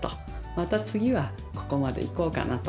また次はここまで行こうかなと。